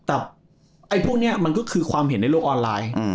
แต่ไอ้พวกนี้มันก็คือความเห็นในโลกออนไลน์